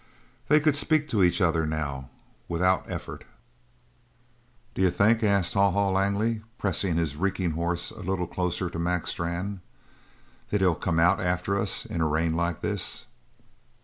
They could speak to each other now without effort. "D'you think," asked Haw Haw Langley, pressing his reeking horse a little closer to Mac Strann, "that he'll come out after us in a rain like this?"